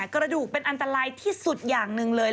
กระดูกเป็นอันตรายที่สุดอย่างหนึ่งเลย